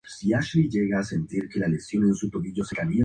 Se poseen dos canchas para la práctica de este deporte.